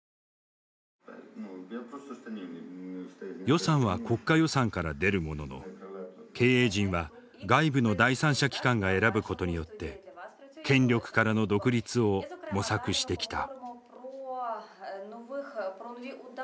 予算は国家予算から出るものの経営陣は外部の第三者機関が選ぶことによって権力からの独立を模索してきた。